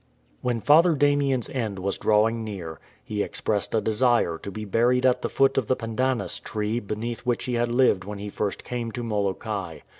When Father Damien's end was drawing near, he ex pressed a desire to be buried at the foot of the pandanus tree beneath which he had lived when he first came to Molokai.